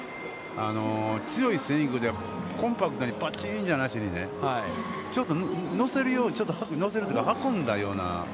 強いスイングで、コンパクトにバチンじゃなしにね、ちょっと乗せるというか、運んだような。